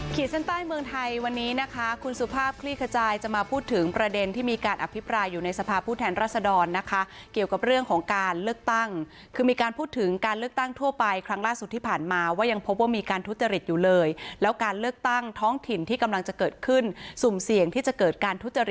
เส้นใต้เมืองไทยวันนี้นะคะคุณสุภาพคลี่ขจายจะมาพูดถึงประเด็นที่มีการอภิปรายอยู่ในสภาพผู้แทนรัศดรนะคะเกี่ยวกับเรื่องของการเลือกตั้งคือมีการพูดถึงการเลือกตั้งทั่วไปครั้งล่าสุดที่ผ่านมาว่ายังพบว่ามีการทุจริตอยู่เลยแล้วการเลือกตั้งท้องถิ่นที่กำลังจะเกิดขึ้นสุ่มเสี่ยงที่จะเกิดการทุจริต